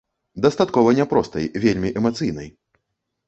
Дастаткова не простай, вельмі эмацыйнай.